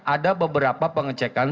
ada beberapa pengecekan